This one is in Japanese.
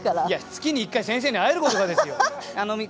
月に１回先生に会えることがですよ。